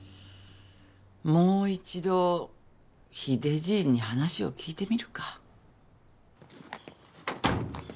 もう一度秀じいに話を聞いてみるか。